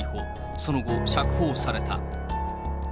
その後、釈放された。